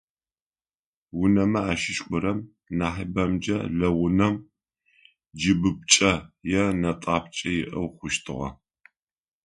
Унэмэ ащыщ горэм, нахьыбэмкӏэ лэгъунэм, кӏыбыпчъэ е нэтӏапчъэ иӏэу хъущтыгъэ.